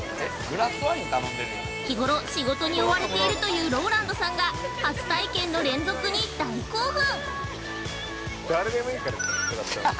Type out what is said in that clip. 日ごろ仕事に追われているというＲＯＬＡＮＤさんが初体験の連続に大興奮。